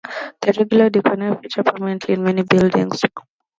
The regular dodecagon features prominently in many buildings.